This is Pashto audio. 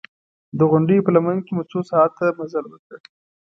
د غونډیو په لمن کې مو څو ساعته مزل وکړ.